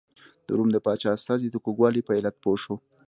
د روم د پاچا استازی د کوږوالي په علت پوه شو.